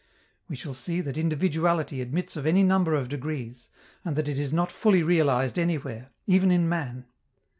We shall see that individuality admits of any number of degrees, and that it is not fully realized anywhere, even in man.